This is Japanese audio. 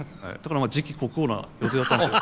次期国王な予定だったんですよ。